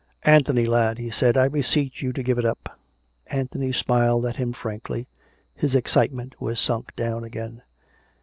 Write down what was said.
" Anthony, lad," he said, " I beseech you to give it up." Anthony smiled at him frankly. His excitement was sunk down again.